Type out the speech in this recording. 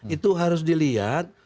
itu harus dilihat